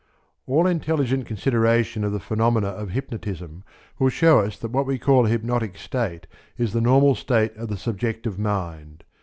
An intelligent consideration of the phenomena of hypnotism will show us that what we call the hypnotic state is the normal state of the subjective mind.